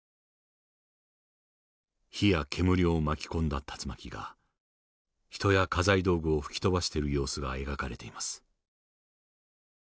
火や煙を巻き込んだ竜巻が人や家財道具を吹き飛ばしている様子が描かれています。